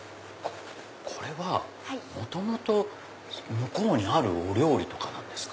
これは元々向こうにあるお料理とかなんですか？